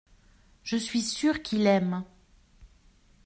Je suis sûr qu’il aime.